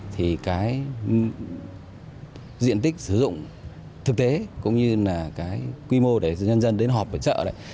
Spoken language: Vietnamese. thì cái diện tích sử dụng thực tế cũng như là cái quy mô để nhân dân đến họp ở chợ này